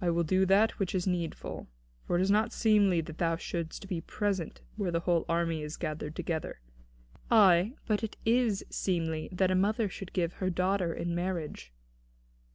"I will do that which is needful. For it is not seemly that thou shouldst be present where the whole army is gathered together." "Ay, but it is seemly that a mother should give her daughter in marriage."